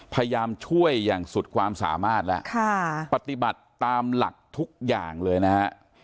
พยายามช่วยอย่างสุดความสามารถแล้วปฏิบัติตามหลักทุกอย่างเลยนะฮะ